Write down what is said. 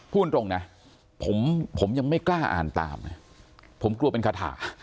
พูดตรงนะผมยังไม่กล้าอ่านตามนะผมกลัวเป็นคาถา